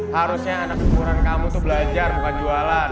harusnya anak ukuran kamu itu belajar bukan jualan